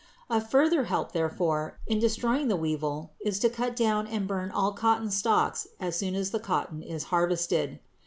A further help, therefore, in destroying the weevil is to cut down and burn all cotton stalks as soon as the cotton is harvested.